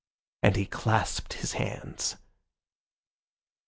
And he clasped his hands.